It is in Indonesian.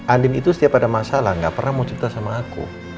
andim itu setiap ada masalah gak pernah mau cerita sama aku